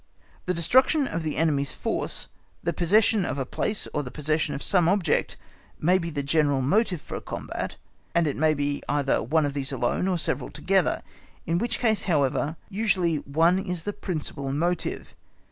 The destruction of the enemy's force, the possession of a place or the possession of some object may be the general motive for a combat, and it may be either one of these alone or several together, in which case however usually one is the principal motive.